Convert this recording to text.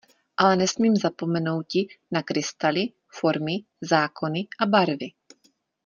Ale nesmím zapomenouti na krystaly, formy, zákony a barvy.